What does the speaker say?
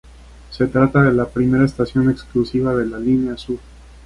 Se trata de la primera estación exclusiva de la Línea Sur.